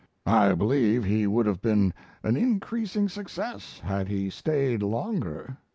I believe he would have been an increasing success had he stayed longer.